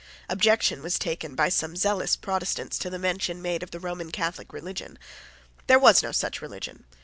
Objection was taken by some zealous Protestants to the mention made of the Roman Catholic religion. There was no such religion.